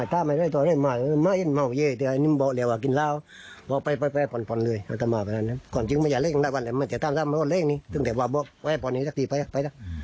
ตั้งแต่บอกว่าไปบรรยีเลียสัขทีไปละ